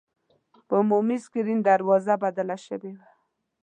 په عمومي سکرین دروازه بدله شوې وه.